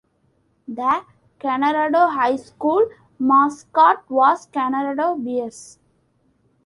The Kanorado High School mascot was Kanorado Bears.